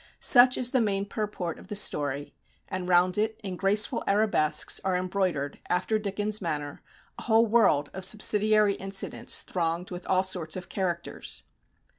Such is the main purport of the story, and round it, in graceful arabesques, are embroidered, after Dickens' manner, a whole world of subsidiary incidents thronged with all sorts of characters.